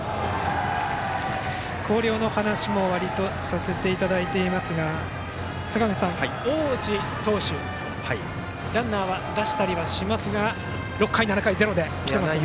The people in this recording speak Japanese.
広陵の話もわりとさせていただいていますが坂口さん、大内投手ランナーは出したりはしますが６回、７回をゼロで来ていますね。